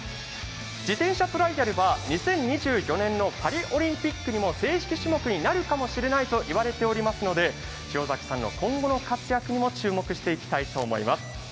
自転車トライアルは２０２４年のパリオリンピックにも正式種目になるかもしれないといわれていますので塩崎さんの今後の活躍も注目していきたいと思います。